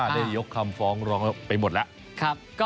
ได้ยกคำฟ้องร้องไปหมดแล้ว